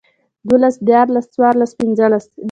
دولس ديارلس څوارلس پنځلس